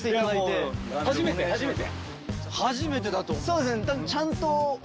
初めてだと思う。